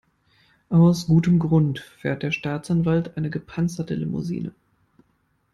Aus gutem Grund fährt der Staatsanwalt eine gepanzerte Limousine.